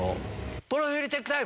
プロフィールチェックタイム。